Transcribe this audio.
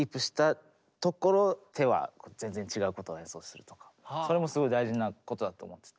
自分が今それもすごい大事なことだと思ってて。